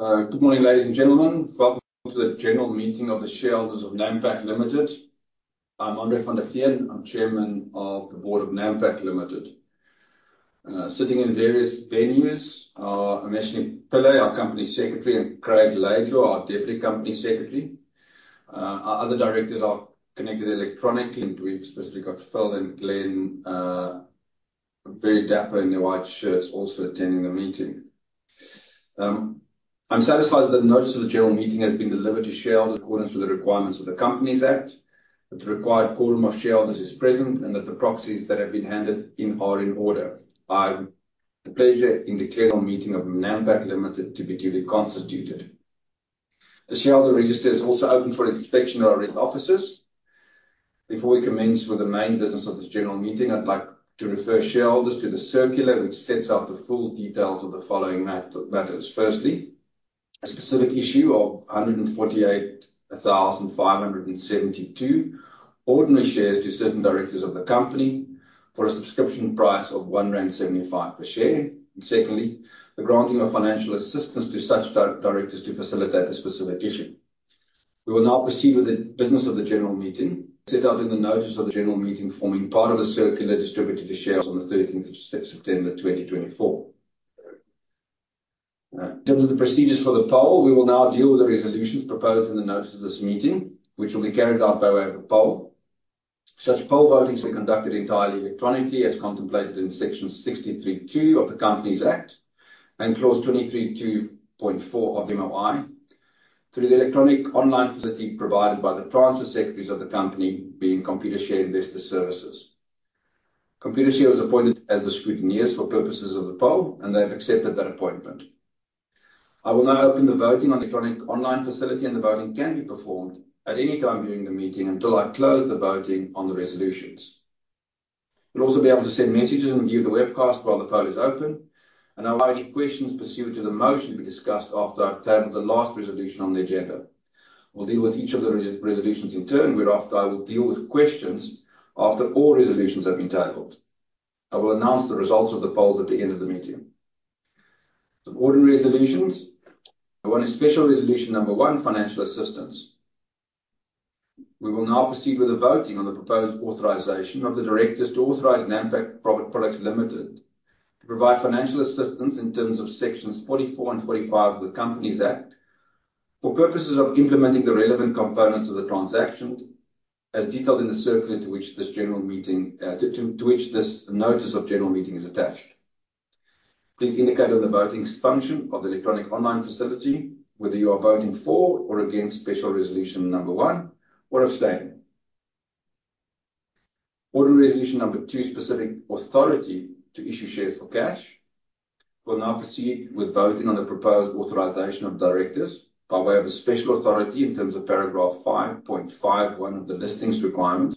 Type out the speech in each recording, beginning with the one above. Good morning, ladies and gentlemen. Welcome to the general meeting of the shareholders of Nampak Limited. I'm André van der Veen. I'm Chairman of the Board of Nampak Limited. Sitting in various venues are Omeshnee Pillay, our Company Secretary, and Craig Laidlaw, our Deputy Company Secretary. Our other directors are connected electronically. We've specifically got Phil and Glenn, very dapper in their white shirts, also attending the meeting. I'm satisfied that the notice of the general meeting has been delivered to shareholders in accordance with the requirements of the Companies Act, that the required quorum of shareholders is present, and that the proxies that have been handed in are in order. I have the pleasure in declaring the meeting of Nampak Limited to be duly constituted. The shareholder register is also open for inspection at our registered offices. Before we commence with the main business of this general meeting, I'd like to refer shareholders to the circular which sets out the full details of the following matters. Firstly, a specific issue of 148,572 ordinary shares to certain directors of the company for a subscription price of 1.75 rand per share. Secondly, the granting of financial assistance to such directors to facilitate the specific issue. We will now proceed with the business of the general meeting set out in the notice of the general meeting forming part of a circular distributed to shareholders on the thirteenth of September 2024. In terms of the procedures for the poll, we will now deal with the resolutions proposed in the notice of this meeting, which will be carried out by way of a poll. Such poll votings are conducted entirely electronically, as contemplated in Section 63(2) of the Companies Act and Clause 23.2.4 of the MOI, through the electronic online facility provided by the transfer secretaries of the company, being Computershare Investor Services. Computershare was appointed as the scrutineers for purposes of the poll, and they have accepted that appointment. I will now open the voting on the electronic online facility, and the voting can be performed at any time during the meeting until I close the voting on the resolutions. You'll also be able to send messages and view the webcast while the poll is open. I'll allow any questions pursuant to the motion to be discussed after I've tabled the last resolution on the agenda. We'll deal with each of the resolutions in turn, whereafter I will deal with questions after all resolutions have been tabled. I will announce the results of the polls at the end of the meeting. The ordinary resolutions. I want a special resolution number one, financial assistance. We will now proceed with the voting on the proposed authorization of the directors to authorize Nampak Products Limited to provide financial assistance in terms of sections 44 and 45 of the Companies Act for purposes of implementing the relevant components of the transaction as detailed in the circular to which this notice of general meeting is attached. Please indicate on the voting section of the electronic online facility whether you are voting for or against special resolution number one or abstaining. Ordinary resolution number two, specific authority to issue shares for cash. We'll now proceed with voting on the proposed authorization of directors by way of a special authority in terms of paragraph 5.51 of the JSE Listings Requirements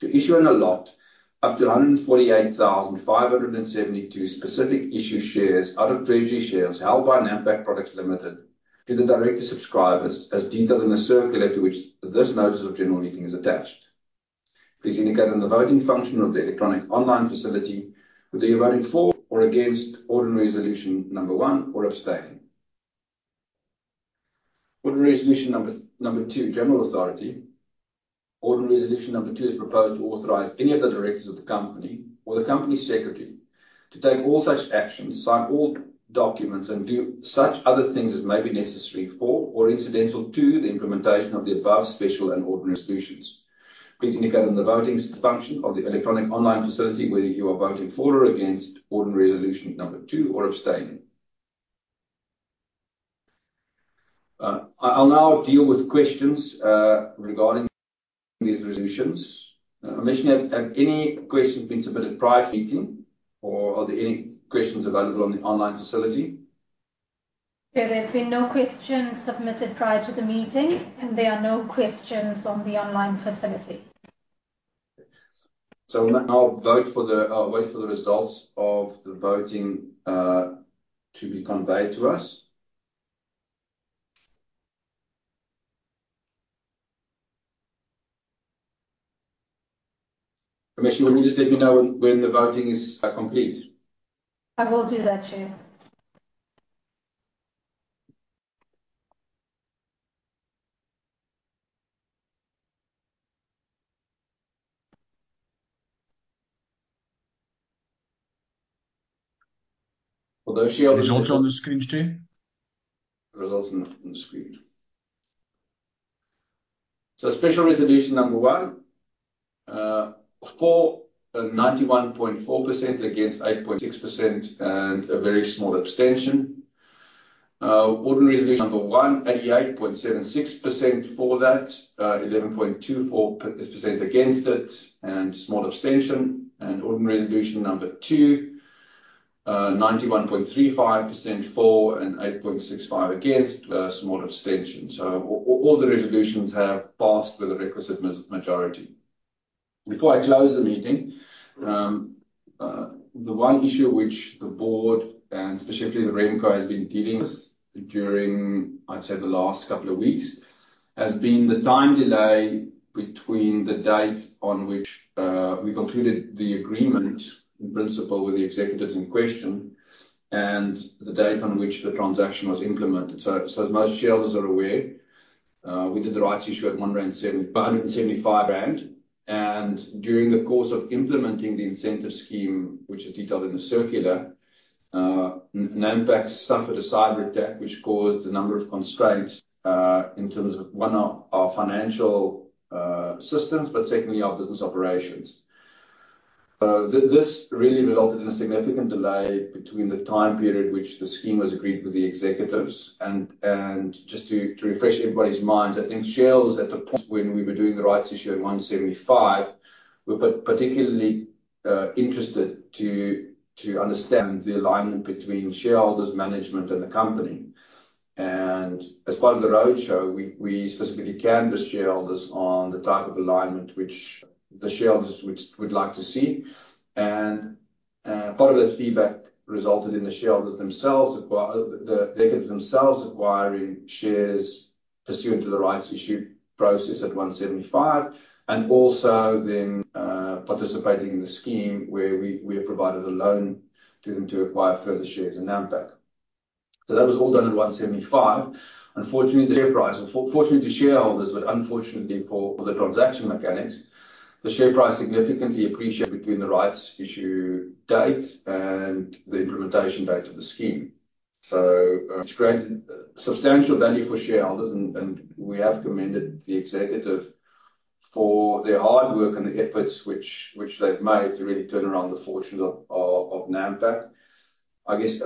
to issue and allot up to 148,572 specific issue shares out of treasury shares held by Nampak Products Limited to the director subscribers as detailed in the circular to which this notice of general meeting is attached. Please indicate on the voting function of the electronic online facility whether you're voting for or against ordinary resolution number 1 or abstaining. Ordinary resolution number two, general authority. Ordinary resolution number two is proposed to authorize any of the directors of the company or the company secretary to take all such actions, sign all documents, and do such other things as may be necessary for or incidental to the implementation of the above special and ordinary resolutions. Please indicate on the voting section of the electronic online facility whether you are voting for or against ordinary resolution number two or abstaining. I'll now deal with questions regarding these resolutions. Omeshnee, have any questions been submitted prior to the meeting, or are there any questions available on the online facility? Yeah. There have been no questions submitted prior to the meeting, and there are no questions on the online facility. I'll wait for the results of the voting to be conveyed to us. Omeshnee, will you just let me know when the voting is complete? I will do that, Chair. Well, Results are on the screen, Chair. Results are on the screen. Special resolution number one, for 91.4%, against 8.6%, and a very small abstention. Ordinary resolution number one, 88.76% for that, 11.24% against it, and small abstention. Ordinary resolution number two, 91.35% for and 8.65% against, a small abstention. All the resolutions have passed with the requisite majority. Before I close the meeting, the one issue which the board and specifically the RemCo has been dealing with during, I'd say, the last couple of weeks, has been the time delay between the date on which we concluded the agreement in principle with the executives in question and the date on which the transaction was implemented. As most shareholders are aware, we did the rights issue at 1.75 rand, and during the course of implementing the incentive scheme, which is detailed in the circular, Nampak suffered a cyber attack which caused a number of constraints in terms of one, our financial systems, but secondly, our business operations. This really resulted in a significant delay between the time period which the scheme was agreed with the executives and just to refresh everybody's minds, I think shareholders at the point when we were doing the rights issue at 1.75 were particularly interested to understand the alignment between shareholders, management and the company. As part of the roadshow, we specifically canvassed shareholders on the type of alignment which the shareholders would like to see. Part of this feedback resulted in the executives themselves acquiring shares pursuant to the rights issue process at 1.75, and also then participating in the scheme where we have provided a loan to them to acquire further shares in Nampak. That was all done at 1.75. Unfortunately, the share price. Fortunately to shareholders, but unfortunately for the transaction mechanics, the share price significantly appreciated between the rights issue date and the implementation date of the scheme. It's created substantial value for shareholders and we have commended the executive for their hard work and the efforts which they've made to really turn around the fortunes of Nampak. I guess,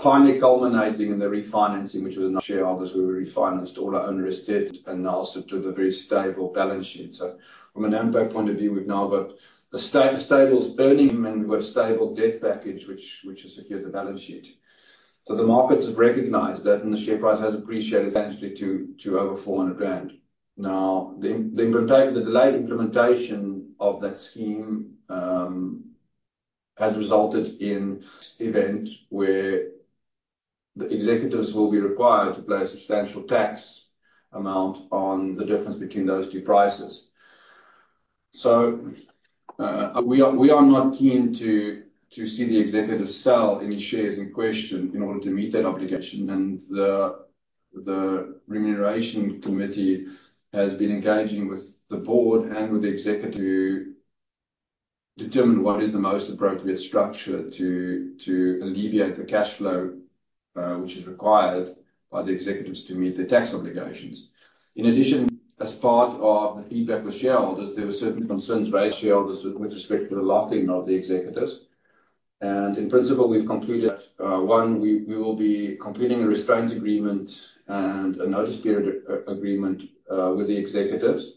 finally culminating in the refinancing, which was shareholders where we refinanced all our onerous debt and now sit with a very stable balance sheet. From a Nampak point of view, we've now got stable earnings and we've got a stable debt package which has secured the balance sheet. The markets have recognized that and the share price has appreciated substantially to over 400. Now, the delayed implementation of that scheme has resulted in an event where the executives will be required to pay a substantial tax amount on the difference between those two prices. We are not keen to see the executives sell any shares in question in order to meet that obligation. The Remuneration Committee has been engaging with the board and with the executive to determine what is the most appropriate structure to alleviate the cash flow which is required by the executives to meet their tax obligations. In addition, as part of the feedback with shareholders, there were certain concerns raised by shareholders with respect to the locking of the executives. In principle, we've concluded we will be completing a restraint agreement and a notice period agreement with the executives.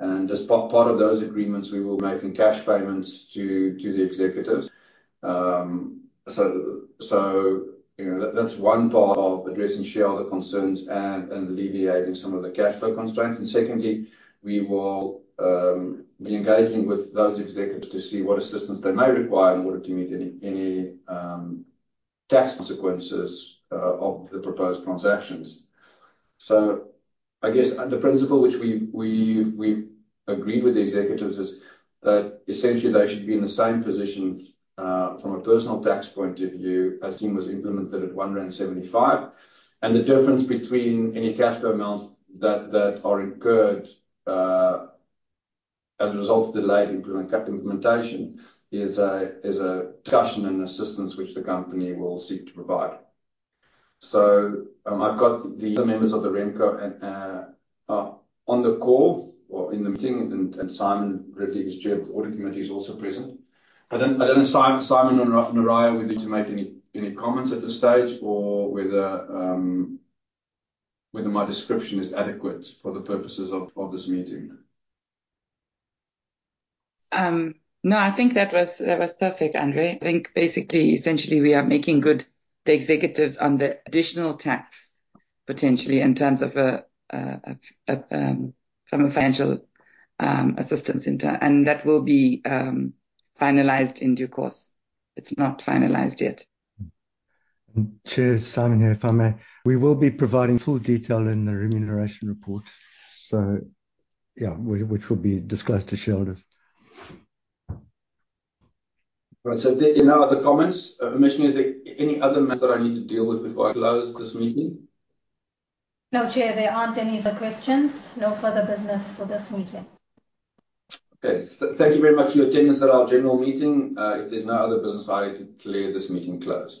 As part of those agreements, we will be making cash payments to the executives. So you know, that's one part of addressing shareholder concerns and alleviating some of the cash flow constraints. Secondly, we will be engaging with those executives to see what assistance they may require in order to meet any tax consequences of the proposed transactions. I guess the principle which we've agreed with the executives is that essentially they should be in the same position from a personal tax point of view as the scheme was implemented at 1.75. The difference between any cash flow amounts that are incurred as a result of delayed implementation is a discussion and assistance which the company will seek to provide. I've got the other members of the RemCo and on the call or in the meeting, and Simon Ridley, Chair of the Audit Committee, is also present. I don't know, Simon and Nooraya, whether to make any comments at this stage or whether my description is adequate for the purposes of this meeting. No, I think that was perfect, Andre. I think basically, essentially we are making good the executives on the additional tax potentially in terms of a financial assistance and that will be finalized in due course. It's not finalized yet. Chair, Simon here, if I may. We will be providing full detail in the remuneration report. Yeah, which will be disclosed to shareholders. Right. There are no other comments. Omeshnee, is there any other matters that I need to deal with before I close this meeting? No, Chair, there aren't any other questions. No further business for this meeting. Okay. Thank you very much for your attendance at our general meeting. If there's no other business, I declare this meeting closed.